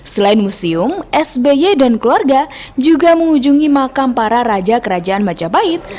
selain museum sby dan keluarga juga mengunjungi makam para raja kerajaan majapahit